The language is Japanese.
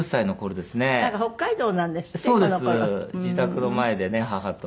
自宅の前でね母と。